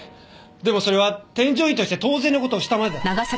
でもそれは添乗員として当然の事をしたまでだ。